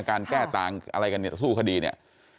การแก้ต่างอะไรกันเนี่ยสู้คดีเนี่ย